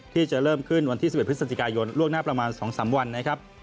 ที่จะเริ่มขึ้นวันที่๑๑พฤศจิกายนล่วงหน้าประมาณ๒๓วันนะครับ